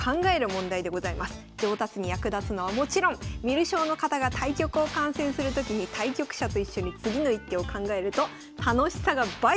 上達に役立つのはもちろん観る将の方が対局を観戦する時に対局者と一緒に次の一手を考えると楽しさが倍増します。